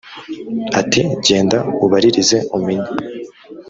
ati genda ubaririze umenye